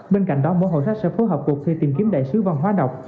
bên cạnh đó mỗi hội sách sẽ phối hợp cuộc thi tìm kiếm đại sứ văn hóa đọc